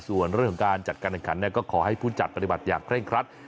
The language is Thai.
ส่วนเรื่องของการจัดการแข่งขันก็ขอให้ผู้จัดปฏิบัติอย่างเร่งครัด